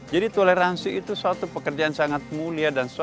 jadi toleransi itu suatu pekerjaan sangat mulia dan sukses